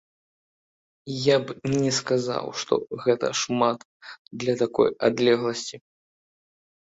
Я б не сказаў, што гэта шмат для такой адлегласці.